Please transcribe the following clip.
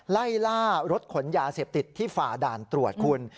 ไล่ล่ารถขนยาเสพติดที่ฝ่าด่านตรวจคุณ